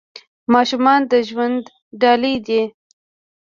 ماشومان د ژوند ډالۍ دي .